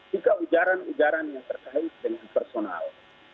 jika ujaran ujaran yang terkait dengan personal